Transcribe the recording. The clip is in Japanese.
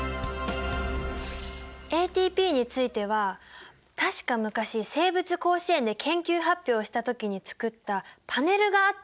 ＡＴＰについては確か昔生物甲子園で研究発表した時に作ったパネルがあったはずなんだけどなあ。